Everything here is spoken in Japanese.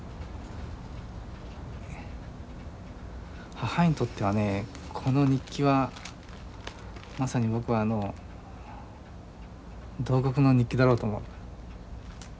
母にとってはねこの日記はまさに僕は慟哭の日記だろうと思う。